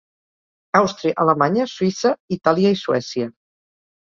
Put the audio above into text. Àustria, Alemanya, Suïssa, Itàlia i Suècia.